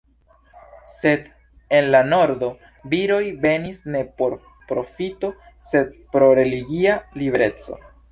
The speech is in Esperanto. Sed en la nordo, viroj venis ne por profito sed pro religia libereco.